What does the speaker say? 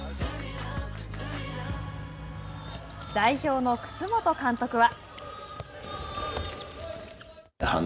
代表の楠本監督は。